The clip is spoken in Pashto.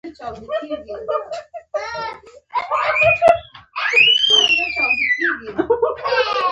مقاومت په اوم کې سنجول کېږي.